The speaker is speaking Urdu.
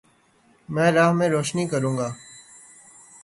میں راہ میں روشنی کرونگا